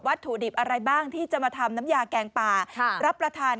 ถุดิบอะไรบ้างที่จะมาทำน้ำยาแกงป่ารับประทาน